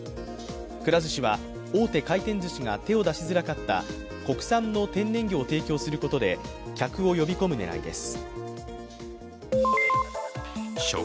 くら寿司は大手回転ずしが手を出しづらかった国産の天然魚を提供することで客を呼び込む狙いです。